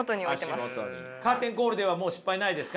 カーテンコールではもう失敗ないですか？